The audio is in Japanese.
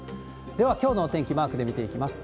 では、きょうのお天気、マークで見ていきます。